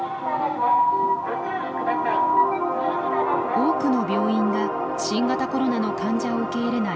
多くの病院が新型コロナの患者を受け入れない